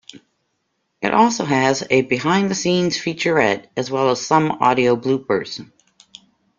It also has a "behind the scenes" featurette, as well as some audio bloopers.